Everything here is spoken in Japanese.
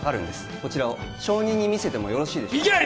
こちらを証人に見せてもよろしいですか？